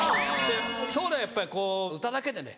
将来やっぱりこう歌だけでね